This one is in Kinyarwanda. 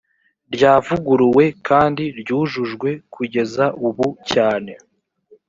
ryavuguruwe kandi ryujujwe kugeza ubu cyane